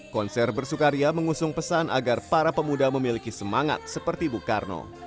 konser bersukaria mengusung pesan agar para pemuda memiliki semangat seperti bung karno